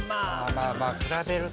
まあまあ比べると。